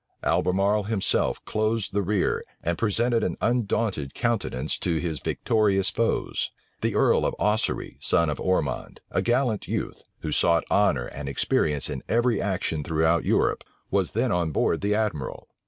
Albemarle himself closed the rear, and presented an undaunted countenance to his victorious foes. The earl of Ossory, son of Ormond, a gallant youth, who sought honor and experience in every action throughout Europe, was then on board the admiral.